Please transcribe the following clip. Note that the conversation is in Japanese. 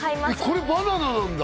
これバナナなんだ？